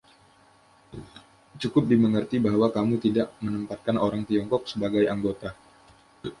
Cukup dimengerti bahwa kamu tidak menempatkan orang Tiongkok sebagai anggota".